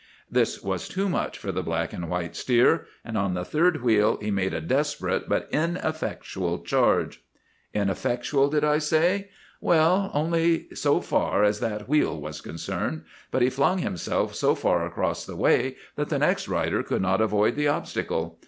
This was too much for the black and white steer, and on the third wheel he made a desperate but ineffectual charge. "Ineffectual did I say? Well, only so far as that wheel was concerned; but he flung himself so far across the way that the next rider could not avoid the obstacle.